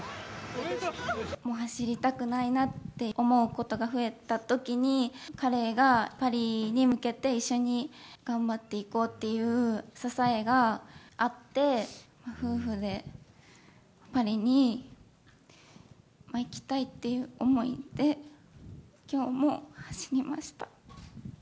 もう走りたくないなって思うことが増えたときに、彼がパリに向けて一緒に頑張っていこうっていう支えがあって、夫婦でパリに行きたいっていう思いで、きょうも走りました。